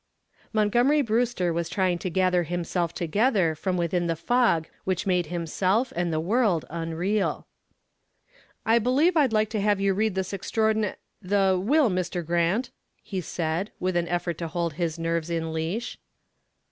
Montgomery Brewster was trying to gather himself together from within the fog which made himself and the world unreal. "I believe I'd like to have you read this extraor the will, Mr. Grant," he said, with an effort to hold his nerves in leash.